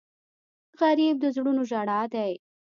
غریب د زړونو ژړا دی